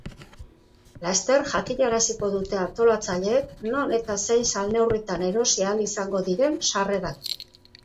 Laster jakinaraziko dute antolatzaileek non eta zein salneurritan erosi ahal izango diren sarrerak.